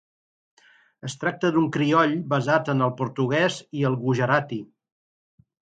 Es tracta d'un crioll basat en el portuguès i el gujarati.